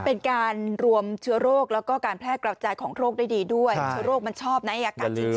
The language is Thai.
เป็นการรวมเชื้อโรคแล้วก็การแพร่กระจายของโรคได้ดีด้วยเชื้อโรคมันชอบนะอากาศเชื้อ